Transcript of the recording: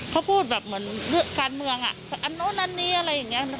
เขาพูดแบบเหมือนการเมืองอันนู้นอันนี้อะไรอย่างนี้